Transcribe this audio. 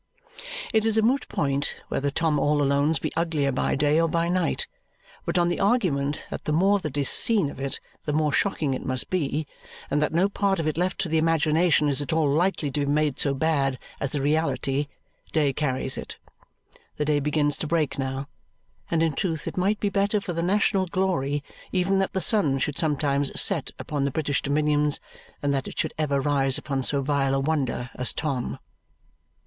It is a moot point whether Tom all Alone's be uglier by day or by night, but on the argument that the more that is seen of it the more shocking it must be, and that no part of it left to the imagination is at all likely to be made so bad as the reality, day carries it. The day begins to break now; and in truth it might be better for the national glory even that the sun should sometimes set upon the British dominions than that it should ever rise upon so vile a wonder as Tom.